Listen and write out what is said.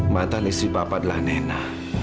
mantan istri papa adalah nena